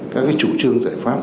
các chủ trương giải pháp